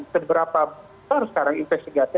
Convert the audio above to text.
seberapa besar sekarang investigasi